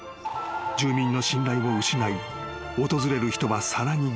住民の信頼を失い訪れる人はさらに減少］